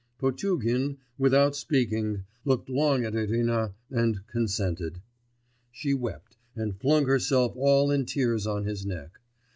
Potugin, without speaking, looked long at Irina, and consented. She wept, and flung herself all in tears on his neck.